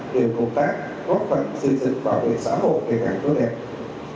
đều cộng tác góp phần xây dựng bảo vệ xã hội ngày càng tốt đẹp